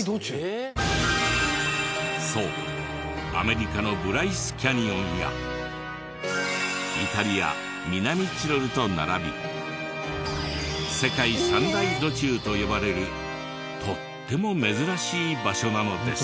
そうアメリカのブライスキャニオンやイタリア南チロルと並び世界三大土柱と呼ばれるとっても珍しい場所なのです。